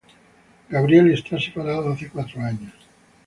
Gabriel está separado hace cuatro años.